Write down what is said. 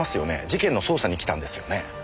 事件の捜査に来たんですよね？